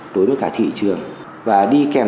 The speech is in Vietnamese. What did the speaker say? đối với cả thị trường và đi kèm